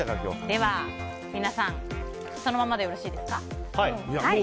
では、皆さんそのままでよろしいですか。